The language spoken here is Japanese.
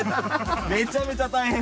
めちゃめちゃ大変。